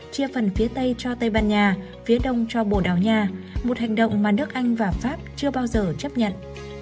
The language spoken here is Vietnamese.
chia phần phía tây cho tây ban nha phía đông cho bồ đào nha một hành động mà nước anh và pháp chưa bao giờ chấp nhận